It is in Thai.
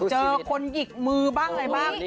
เจอคนหยิกมือบ้างอะไรบ้าง